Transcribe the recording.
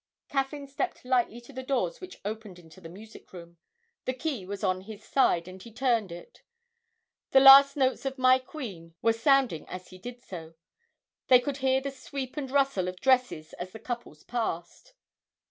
Caffyn stepped lightly to the doors which opened into the music room; the key was on his side, and he turned it. The last notes of 'My Queen' were sounding as he did so, they could hear the sweep and rustle of dresses as the couples passed.